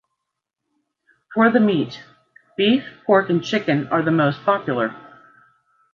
For the meat, beef, pork, and chicken are the most popular.